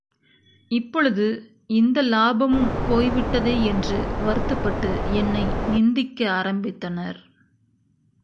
இப்பொழுது இந்த லாபமும் போய்விட்டதே என்று வருத்தப்பட்டு என்னை நிந்திக்க ஆரம்பித்தனர்.